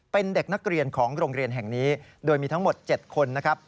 เป็นเด็กนักเรียนของโรงเรียนแห่งนี้โดยมีทั้งหมด๗คนนะครับ